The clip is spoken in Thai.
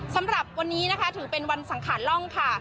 สำหรับวันนี้นะคะถือเป็นวันสังขารล่องค่ะ